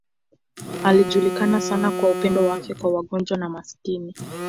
Alijulikana sana kwa upendo wake kwa wagonjwa na maskini.